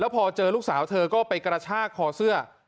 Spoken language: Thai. พอเจอลูกสาวเธอก็ไปกระชากคอเสื้อ